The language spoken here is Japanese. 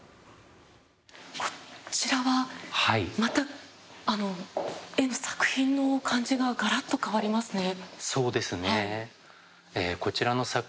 こちらは、また作品の感じがガラッと変わりますね。